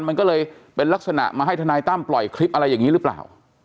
มันก็เลยเป็นลักษณะมาให้ทนายตั้มปล่อยคลิปอะไรอย่างนี้หรือเปล่า